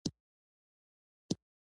احمد نن علي ته یو کتاب اعطا کړ.